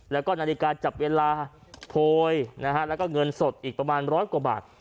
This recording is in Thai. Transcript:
แล้วก็นาฬิกาจับเวลาโพยนะฮะแล้วก็เงินสดอีกประมาณร้อยกว่าบาท